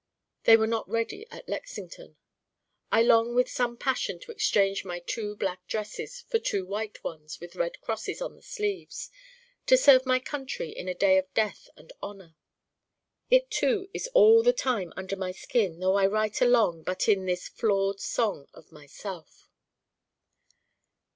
They were not ready at Lexington. I long with some passion to exchange my two black dresses for two white ones with red crosses on the sleeves: to serve my country in a day of death and honor. It too is all the time under my skin though I write along but in this flawed song of myself.